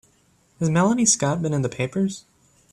Has Melanie Scott been in the papers?